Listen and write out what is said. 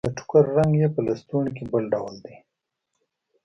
د ټوکر رنګ يې په لستوڼي کې بل ډول دی.